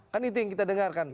kan itu yang kita dengarkan